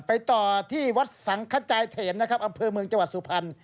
ไปต่อที่วัดสังกะจายเถนอำเภอเมืองจังหวัดสุพรรณ